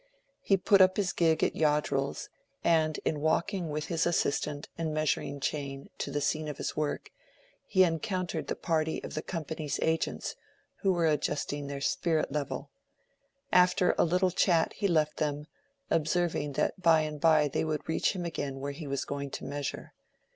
He put up his gig at Yoddrell's, and in walking with his assistant and measuring chain to the scene of his work, he encountered the party of the company's agents, who were adjusting their spirit level. After a little chat he left them, observing that by and by they would reach him again where he was going to measure.